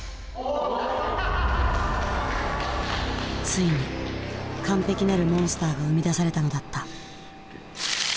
ついに完璧なるモンスターが生み出されたのだった。